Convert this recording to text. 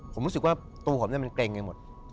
ผมรู้สึกว่าตัวผมเนี่ยมันเกร็งอย่างงี้หมด